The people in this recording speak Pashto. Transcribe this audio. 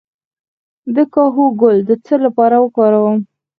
د کاهو ګل د څه لپاره وکاروم؟